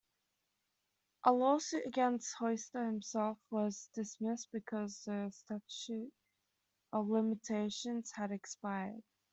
A lawsuit against Hauser himself was dismissed because the statute of limitations had expired.